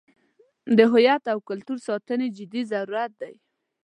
د هویت او کلتور ساتنې جدي ضرورت دی.